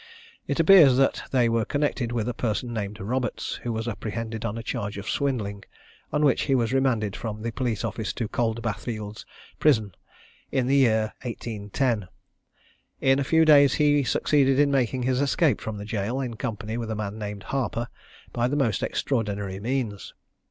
It appears that they were connected with a person named Roberts, who was apprehended on a charge of swindling, on which he was remanded from the police office to Coldbath Fields' Prison, in the year 1810. In a few days he succeeded in making his escape from the jail, in company with a man named Harper, by the most extraordinary means.